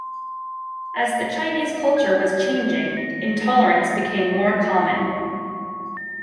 As the Chinese culture was changing, intolerance became more common.